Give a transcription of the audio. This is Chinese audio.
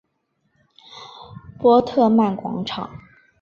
波特曼广场。